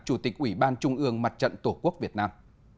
chủ tịch ủy ban trung ương mặt trận tổ quốc việt nam